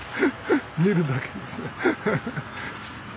見るだけですね。